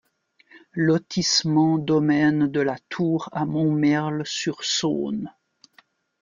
Lotissement Domaine de la Tour à Montmerle-sur-Saône